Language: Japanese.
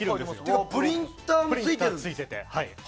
プリンターもついてるんだ。